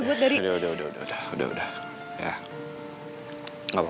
buat mannequin lebih ramah lagi